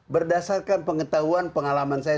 berdasarkan pengetahuan pengalaman saya